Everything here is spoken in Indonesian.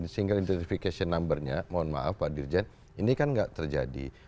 single identification number nya mohon maaf pak dirjan ini kan tidak terjadi